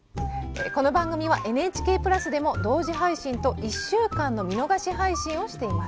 この番組はＮＨＫプラスでも同時配信と１週間の見逃し配信をしています。